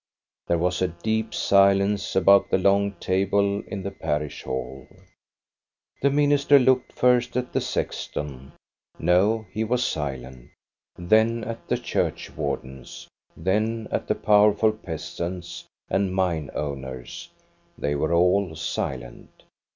There was a deep silence about the long table in the parish hall. The minister looked first at the sexton, — no, he was silent ; then at the churchwardens, then at the power ful peasants and mine owners; they were all silent.